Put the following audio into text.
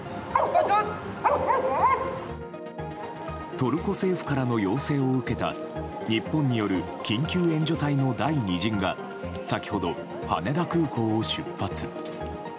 トルコ政府からの要請を受けた日本による緊急援助隊の第２陣が先ほど羽田空港を出発。